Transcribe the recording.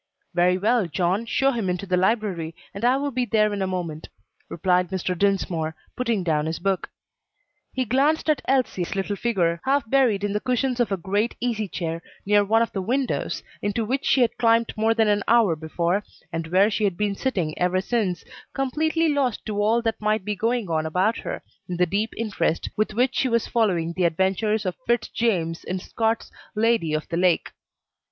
"Very well, John, show him into the library, and I will be there in a moment," replied Mr. Dinsmore, putting down his book. He glanced at Elsie's little figure, half buried in the cushions of a great easy chair near one of the windows, into which she had climbed more than an hour before, and where she had been sitting ever since, completely lost to all that might be going on about her, in the deep interest with which she was following the adventures of FitzJames in Scott's "Lady of the Lake."